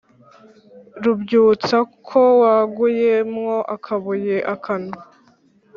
rubyutsa ko waguye mwo akabuye akanwa